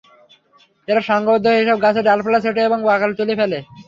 এরা সংঘবদ্ধ হয়ে এসব গাছের ডালপালা ছেঁটে এবং বাকল তুলে ফেলে।